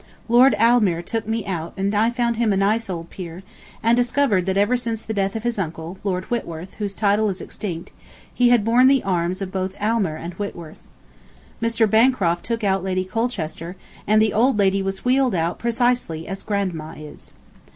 Lord Aylmer took me out and I found him a nice old peer, and discovered that ever since the death of his uncle, Lord Whitworth, whose title is extinct, he had borne the arms of both Aylmer and Whitworth. Mr. Bancroft took out Lady Colchester, and the old lady was wheeled out precisely as Grandma is.